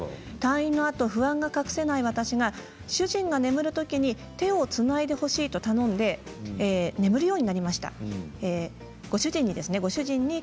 退院後不安が隠せない私が主人が眠るときに手をつないでほしいと頼んで眠るようになりました。